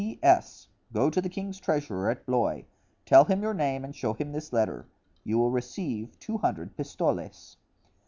"P. S.—Go to the king's treasurer, at Blois; tell him your name and show him this letter; you will receive two hundred pistoles."